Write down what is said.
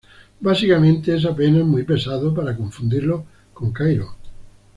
Básicamente, es apenas muy pesado para confundirlo con Cairo.